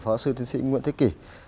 phó sư tiến sĩ nguyễn thế kỷ